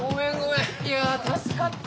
いや助かった。